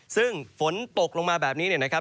ซึ่งฝนตกลงมาแบบนี้เนี่ยนะครับ